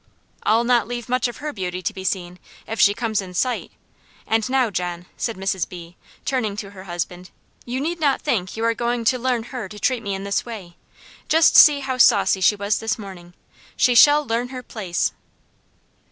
"I'll not leave much of her beauty to be seen, if she comes in sight; and now, John," said Mrs. B., turning to her husband, "you need not think you are going to learn her to treat me in this way; just see how saucy she was this morning. She shall learn her place."